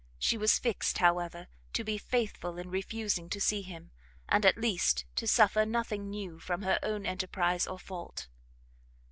She was fixt, however, to be faithful in refusing to see him, and at least to suffer nothing new from her own enterprize or fault.